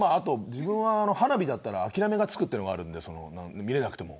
自分は花火だったら諦めがつくというのがあるんで見えなくても。